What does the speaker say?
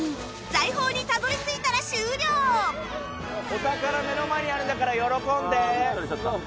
お宝目の前にあるんだから喜んで！